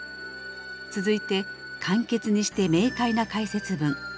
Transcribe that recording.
続いて簡潔にして明快な解説文。